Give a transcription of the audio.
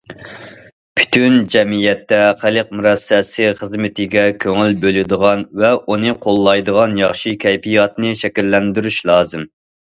پۈتۈن جەمئىيەتتە خەلق مۇرەسسەسى خىزمىتىگە كۆڭۈل بۆلىدىغان ۋە ئۇنى قوللايدىغان ياخشى كەيپىياتنى شەكىللەندۈرۈش لازىم.